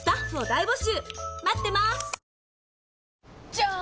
じゃーん！